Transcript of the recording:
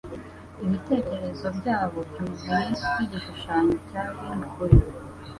ibitekerezo byabo byuzuye nkigishushanyo cya Venn kuri